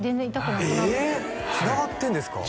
つながってるんですか？